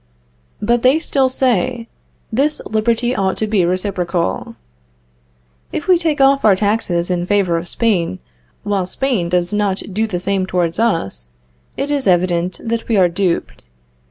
But they still say, this liberty ought to be reciprocal. If we take off our taxes in favor of Spain, while Spain does not do the same towards us, it is evident that we are duped.